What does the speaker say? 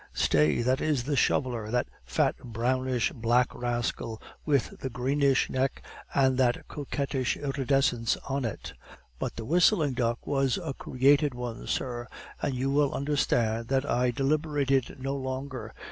Stay, that is the shoveler that fat, brownish black rascal, with the greenish neck and that coquettish iridescence on it. But the whistling duck was a crested one, sir, and you will understand that I deliberated no longer.